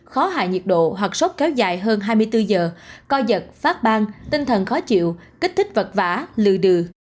khó hạ nhiệt độ hoặc sốt kéo dài hơn hai mươi bốn giờ coi giật phát ban tinh thần khó chịu kích thích vật vả lừ đừ